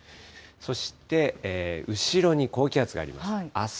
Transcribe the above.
そして、後ろに高気圧があります。